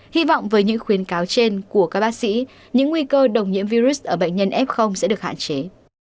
hy vọng với những khuyến cáo trên của các bác sĩ những nguy cơ đồng nhiễm virus ở bệnh nhân f sẽ được hạn chế